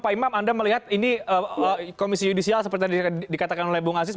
pak imam anda melihat ini komisi yudisial seperti yang dikatakan oleh bung aziz